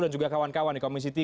juga kawan kawan di komisi tiga